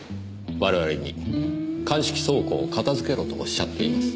我々に鑑識倉庫を片づけろとおっしゃっています。